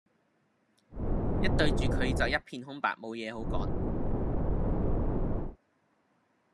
一對住佢就一片空白無嘢好講